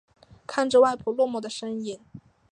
看着外婆落寞的身影